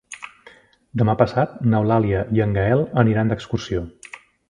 Demà passat n'Eulàlia i en Gaël aniran d'excursió.